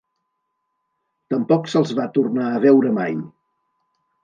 Tampoc se'ls va tornar a veure mai.